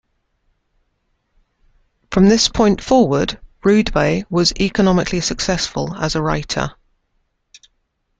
From this point forward, Rydberg was economically successful as a writer.